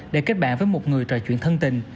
để kết bạn với một người trò chuyện thân tình